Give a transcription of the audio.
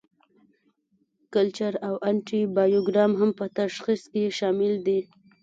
کلچر او انټي بایوګرام هم په تشخیص کې شامل دي.